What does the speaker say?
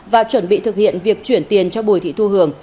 và chuẩn bị thực hiện việc chuyển tiền cho bùi thị thu hường